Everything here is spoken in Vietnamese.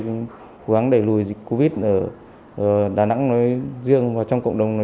để cố gắng đẩy lùi dịch covid ở đà nẵng nói riêng